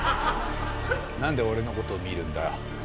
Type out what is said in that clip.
何で俺のことを見るんだ？